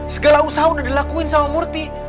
segala usaha udah dilakuin sama murti